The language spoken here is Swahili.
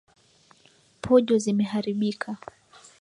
Pojo zimeharibika.